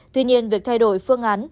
tuy nhiên việc thay đổi phương án